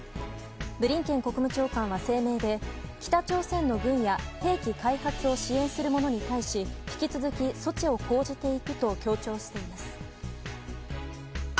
ブリンケン国務長官は声明で北朝鮮の軍や兵器開発を支援するものに対し引き続き措置を講じていくと強調しています。